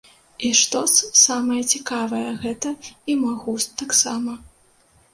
І, штос самае цікавае, гэта і мой густ таксама.